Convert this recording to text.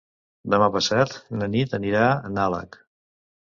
Demà passat na Nit anirà a Nalec.